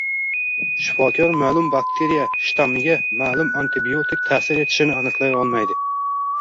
shifokor ma’lum bakteriya shtammiga ma’lum antibiotik ta’sir etishini aniqlay olmaydi